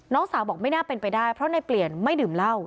น้องสาวบอกไม่น่าเป็นไปได้เพราะในเปลี่ยนไม่ดื่มเหล้า